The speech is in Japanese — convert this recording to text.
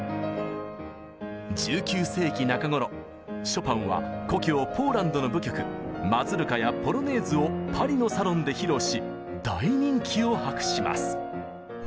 ショパンは故郷ポーランドの舞曲マズルカやポロネーズをパリのサロンで披露し大人気を博します。